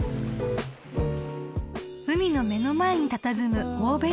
［海の目の前にたたずむ］